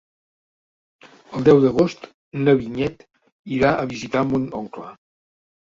El deu d'agost na Vinyet irà a visitar mon oncle.